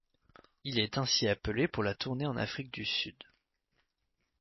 Il est ainsi appelé pour la tournée en Afrique du Sud.